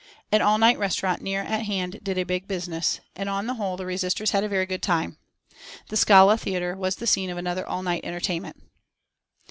An all night restaurant near at hand did a big business, and on the whole the resisters had a very good time. The Scala Theatre was the scene of another all night entertainment.